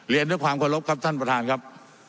เรียนด้วยความเคารพครับท่านประธานครับ